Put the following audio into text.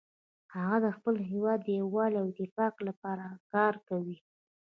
هغه د خپل هیواد د یووالي او تفاهم لپاره کار کوي